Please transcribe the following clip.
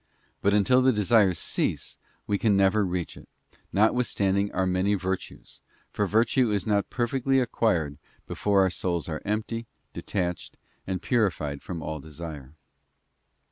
But until the desires cease we can never reach it, notwithstanding our many virtues, for virtue is not perfectly acquired before our souls are empty, detached, and purified from all desire.